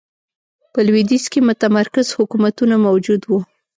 په لوېدیځ کې متمرکز حکومتونه موجود و.